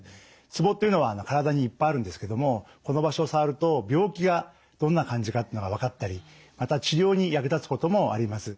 ツボっていうのは体にいっぱいあるんですけどもこの場所を触ると病気がどんな感じかっていうのが分かったりまた治療に役立つこともあります。